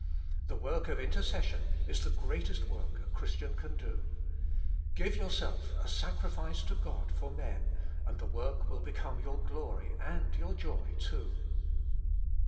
The work of intercession is the greatest work a Christian can do. Give yourself a sacrifice to God for men, and the work will become your glory and your joy too.